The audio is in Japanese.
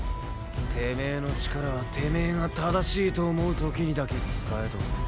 てめぇの力はてめぇが正しいと思うときにだけ使えと。